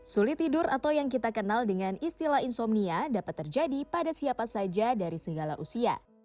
sulit tidur atau yang kita kenal dengan istilah insomnia dapat terjadi pada siapa saja dari segala usia